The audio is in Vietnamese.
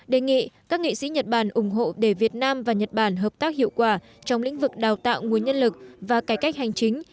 đề nghị các nghị sĩ nhật bản ủng hộ để việt nam và nhật bản hợp tác hiệu quả trong lĩnh vực đào tạo nguồn nhân lực và cải cách hành chính